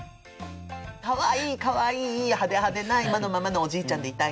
かわいいかわいい派手派手な今のままのおじいちゃんでいたいなと思って。